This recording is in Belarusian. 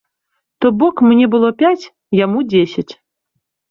То бок мне было пяць, яму дзесяць.